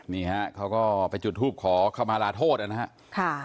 นี่ฮะเขาก็ไปจุดภูมิขอภาวะมาราโทษนะครับ